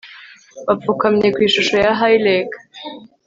bapfukamye ku ishusho ya hyleg